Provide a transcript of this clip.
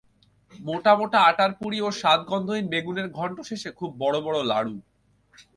মোটা মোটা আটার পুরী ও স্বাদ-গন্ধহীন বেগুনের ঘণ্ট-শেষে খুব বড় বড় লাড়ু।